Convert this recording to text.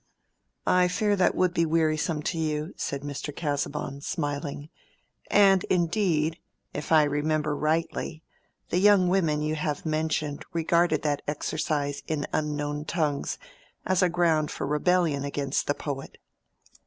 "I fear that would be wearisome to you," said Mr. Casaubon, smiling; "and, indeed, if I remember rightly, the young women you have mentioned regarded that exercise in unknown tongues as a ground for rebellion against the poet."